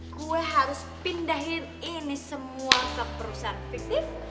gue harus pindahin ini semua ke perusahaan fisik